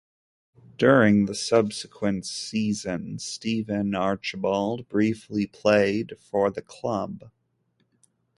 During the subsequent season Steve Archibald briefly played for the club.